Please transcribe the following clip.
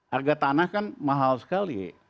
harga tanah kan mahal sekali